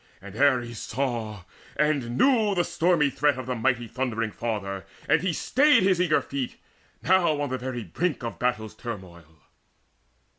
And Ares saw, and knew the stormy threat Of the mighty thundering Father, and he stayed His eager feet, now on the very brink Of battle's turmoil.